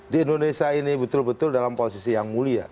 di indonesia ini betul betul dalam posisi yang mulia